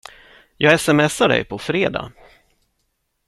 Jag sms: ar dig på fredag!